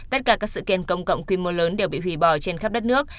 tất cả các sự kiện công cộng quy mô lớn đều bị hủy bỏ trên khắp đất nước